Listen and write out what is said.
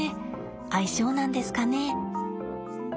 相性なんですかね。